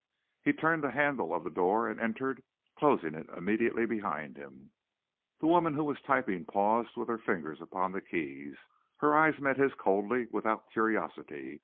He turned the handle of the door and entered, closing it immediately behind him. The woman who was typing paused with her fingers upon the keys. Her eyes met his coldly, without curiosity.